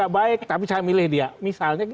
baik tapi saya milih dia misalnya